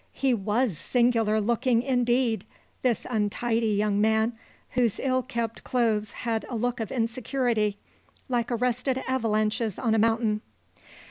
He was singular looking indeed, this untidy young man, whose ill kept clothes had a look of insecurity, like arrested avalanches on a mountain.